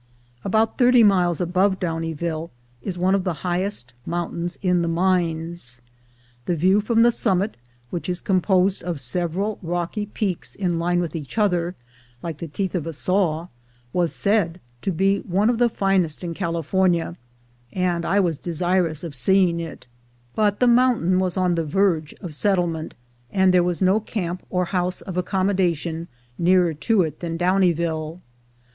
About thirt} miles above Do « nieville is one of the highest mountains in the mines. The view from the summit, which is composed of several rocky peaks in line with each other, like the teeth of a saw, was said to be one of the finest in California, and I was de sirous of seeing it; but the mountain was on the verge 234 THE GOLD HUNTERS of settlement, and there was no camp or house of accommodation nearer to it than Downieville.